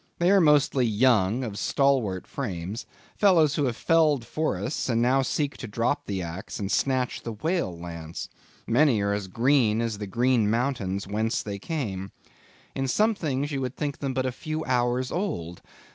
They are mostly young, of stalwart frames; fellows who have felled forests, and now seek to drop the axe and snatch the whale lance. Many are as green as the Green Mountains whence they came. In some things you would think them but a few hours old.